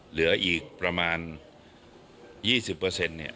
เหลืออีกประมาณ๒๐เปอร์เซ็นต์เนี่ย